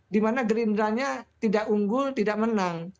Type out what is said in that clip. dimana gerindranya tidak unggul tidak menang